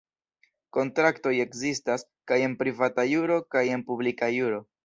Kontraktoj ekzistas kaj en privata juro kaj en publika juro.